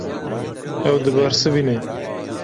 Ew dibersivîne.